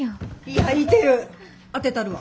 いやいてる。